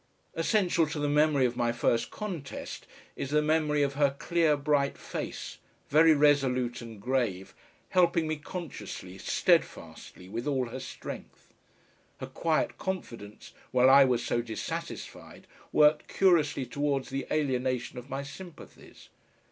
Essential to the memory of my first contest, is the memory of her clear bright face, very resolute and grave, helping me consciously, steadfastly, with all her strength. Her quiet confidence, while I was so dissatisfied, worked curiously towards the alienation of my sympathies.